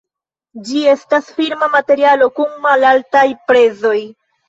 Ĝi estas firma materialo kun malaltaj prezoj.